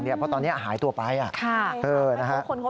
อย่างรถพอเลิกลากันแล้วเอาใช้ด้วยกันอยู่